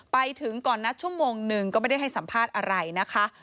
ไปถึงก่อนนัดชั่วโมงหนึ่งก็ไม่ได้ให้สัมภาษณ์อะไรนะคะ